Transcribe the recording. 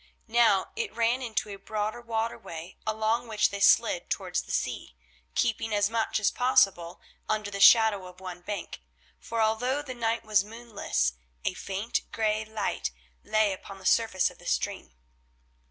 Now it ran into a broader waterway along which they slid towards the sea, keeping as much as possible under the shadow of one bank, for although the night was moonless a faint grey light lay upon the surface of the stream.